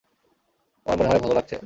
আমার মনে হয় ভালো লাগছে।